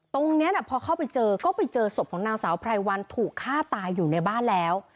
ตรงนี้พอเข้าไปเจอก็ไปเจอศพของนางสาวไพรวันถูกฆ่าตายอยู่ในบ้านแล้ว